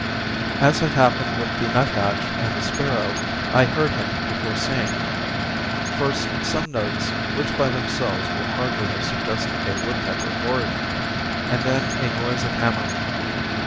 As had happened with the nuthatch and the sparrow, I heard him before seeing him: first some notes, which by themselves would hardly have suggested a woodpecker origin, and then a noise of hammering.